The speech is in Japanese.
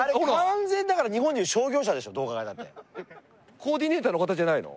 コーディネーターの方じゃないの？